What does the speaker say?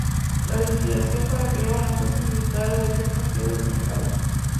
La legislación para crear una fuerza militar de defensa quedó estancada.